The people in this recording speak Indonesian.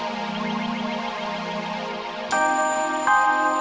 sampai jumpa lagi